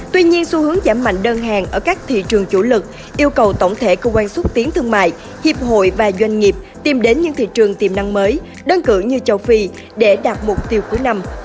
tuy nhiên xu hướng giảm mạnh đơn hàng ở các thị trường chủ lực yêu cầu tổng thể cơ quan xúc tiến thương mại hiệp hội và doanh nghiệp tìm đến những thị trường tiềm năng mới đơn cử như châu phi để đạt mục tiêu cuối năm